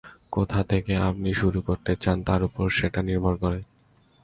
কোথা থেকে আপনি শুরু করতে চান, তার ওপর সেটা নির্ভর করে।